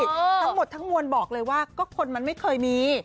ทั้งหมดทั้งมวลบอกเลยว่าก็คนมันไม่เคยมี